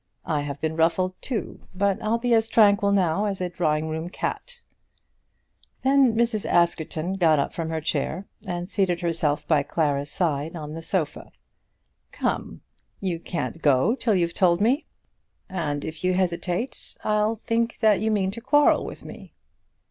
I have been ruffled too, but I'll be as tranquil now as a drawing room cat." Then Mrs. Askerton got up from her chair, and seated herself by Clara's side on the sofa. "Come; you can't go till you've told me; and if you hesitate, I shall think that you mean to quarrel with me."